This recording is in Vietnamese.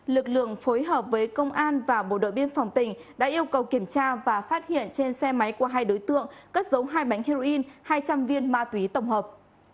lực lượng phối hợp với công an và bộ đội biên phòng tỉnh đã yêu cầu kiểm tra và phát hiện trên xe máy của hai đối tượng cất dấu hai bánh heroin hai trăm linh viên ma túy tổng hợp